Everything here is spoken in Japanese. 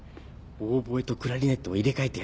オーボエとクラリネットを入れ替えてやるんだ。